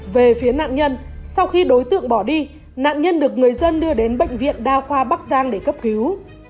về phía nạn nhân sau khi đối tượng bỏ đi nạn nhân được người dân đưa đến bệnh viện đa khoa bắc giang để cấp cứu